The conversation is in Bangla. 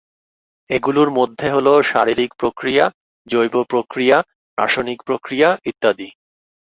এগুলো মধ্যে হল শারীরিক প্রক্রিয়া, জৈব প্রক্রিয়া, রাসায়নিক প্রক্রিয়া ইত্যাদি।